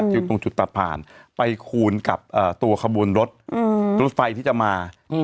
อยู่ตรงจุดตัดผ่านไปคูณกับอ่าตัวขบูนรถอืมรถไฟที่จะมาอืม